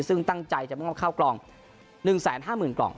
ซึ่งตั้งใจจะมอบข้าวกล่อง๑๕๐๐๐กล่อง